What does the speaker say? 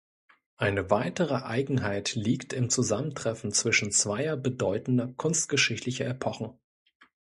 Eine weitere Eigenheit liegt im Zusammentreffen zwischen zweier bedeutender kunstgeschichtlicher Epochen.